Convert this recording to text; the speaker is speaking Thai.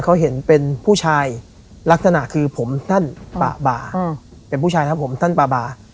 เขาเห็นเป็นผู้ชายลักษณะคือผมท่านปะบาเป็นผู้ชายครับผมท่านป่าบา